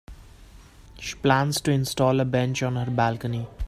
She plans to install a bench on her balcony.